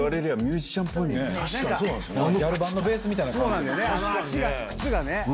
ギャルバンドのベースみたいな感じで。